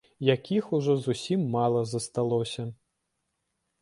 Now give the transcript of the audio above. Якіх ужо зусім мала засталося.